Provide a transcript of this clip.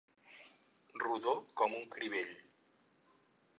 Rodó com un crivell.